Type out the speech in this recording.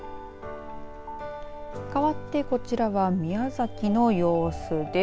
かわってこちらは宮崎の様子です。